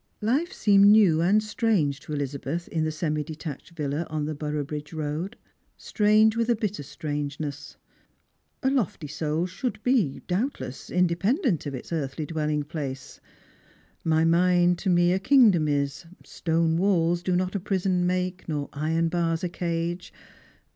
Life seemed new and strange to Elizabeth in the semi detatched villa on the Boroughbridge road, strange with a bitter strange ness. A lofty soul should be, doubtless, independent of its eai thly dwelling place. "My mind to me a kingdom is;" " Stone walls do not a prison make, nor iron bars a cage."